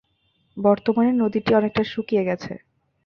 বর্তমানে নদীটি অনেকটা শুকিয়ে গেছে।